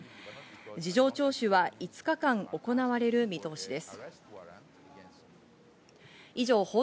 事情聴取は５日間行われる見通しです。